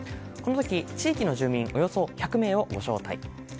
このとき、地域の住民およそ１００名をご招待。